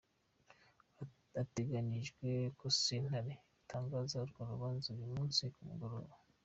Bitegekanijwe ko sentare itangaza urwo rubanza uyu musi ku mugoroba.